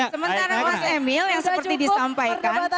sementara mas emil yang seperti disampaikan